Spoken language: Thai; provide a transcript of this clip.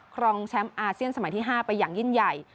ครองแชมป์อาเซียนสมัยที่๕ไปอย่างยิ่งใหญ่